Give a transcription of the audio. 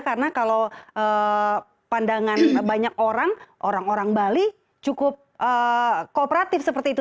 karena kalau pandangan banyak orang orang orang bali cukup kooperatif seperti itu